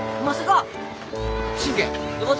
まさか？